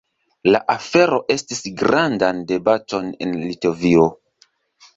La afero estigis grandan debaton en Litovio.